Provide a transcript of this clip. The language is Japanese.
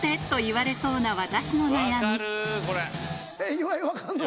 岩井分かんの？